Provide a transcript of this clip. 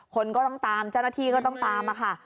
คนก็ต้องตามเจ้าหน้าที่ก็ต้องตามค่ะ